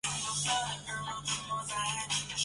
所有法院的设置和职能都是由法院组织法规定的。